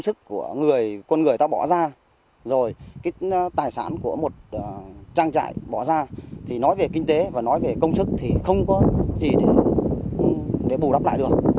rồi cái tài sản của một trang trại bỏ ra thì nói về kinh tế và nói về công sức thì không có gì để bù đắp lại được